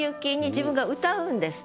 自分が歌うんです。